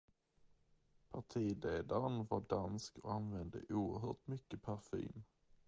Partiledaren var dansk och använde oerhört mycket parfym.